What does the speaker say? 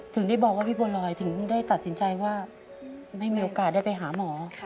ถึงได้บอกว่าพี่บัวลอยถึงได้ตัดสินใจว่าไม่มีโอกาสได้ไปหาหมอ